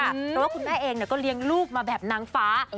เพราะว่าคุณแม่เองก็เลี้ยงลูกมาแบบนางฟ้า